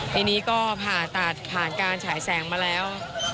ทีนี้ก็ผ่านการฉายแสงมาแล้ว